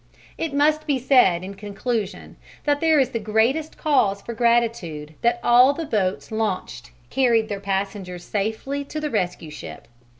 It must be said, in conclusion, that there is the greatest cause for gratitude that all the boats launched carried their passengers safely to the rescue ship.